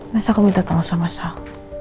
masa aku minta tangan sama sal